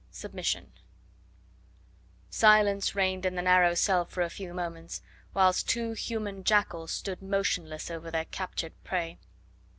SUBMISSION Silence reigned in the narrow cell for a few moments, whilst two human jackals stood motionless over their captured prey.